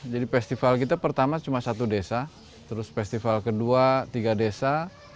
jadi festival kita pertama cuma satu desa terus festival kedua tiga desa